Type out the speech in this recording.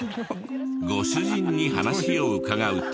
ご主人に話を伺うと。